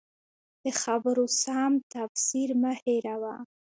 د خبرو سم تفسیر مه هېروه.